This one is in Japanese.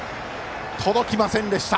届きませんでした。